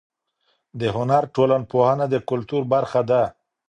د هنر ټولنپوهنه د کلتور برخه ده.